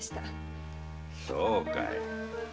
そうかい。